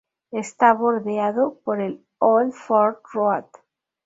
Está bordeado por el "Old Ford Road".